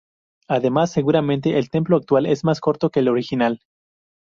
Además, seguramente el templo actual es más corto que el original.